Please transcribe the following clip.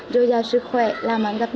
rồi ra sức khỏe làm ơn các bạn